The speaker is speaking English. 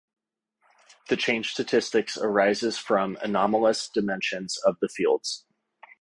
The changed statistics arises from anomalous dimensions of the fields.